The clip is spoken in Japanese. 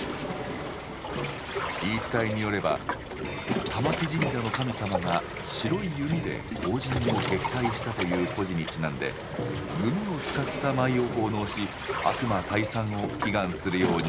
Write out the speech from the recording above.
言い伝えによれば「玉置神社の神様が白い弓で荒神を撃退した」という故事にちなんで「弓を使った舞い」を奉納し悪魔退散を祈願するようになったのだといいます。